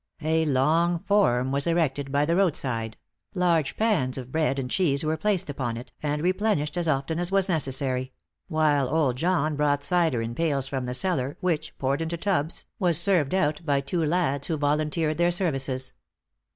A long form was erected by the road side; large pans of bread and cheese were placed upon it, and replenished as often as was necessary; while old John brought cider in pails from the cellar, which, poured into tubs, was served out by two lads who volunteered their services.